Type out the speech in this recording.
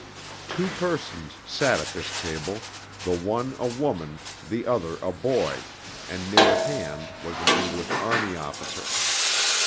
Two persons sat at this table, the one a woman, the other a boy, and near at hand was an English army officer.